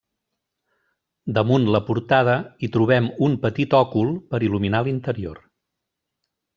Damunt la portada hi trobem un petit òcul per il·luminar l'interior.